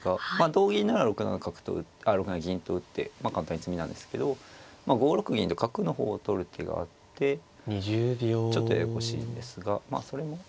同銀なら６七銀と打ってまあ簡単に詰みなんですけど５六銀と角の方を取る手があってちょっとややこしいんですがまあそれも。